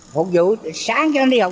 phục vụ sáng cho đi học